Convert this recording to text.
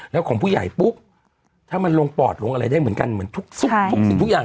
แล้วของผู้ใหญ่ปุ๊บถ้ามันลงปอดลงอะไรได้เหมือนกันเหมือนทุกสิ่งทุกอย่าง